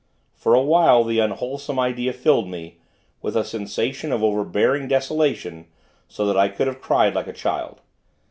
For a while, the unwholesome idea filled me, with a sensation of overbearing desolation; so that I could have cried like a child.